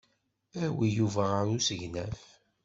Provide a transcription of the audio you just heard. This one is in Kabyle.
Awi Yuba ɣer usegnaf.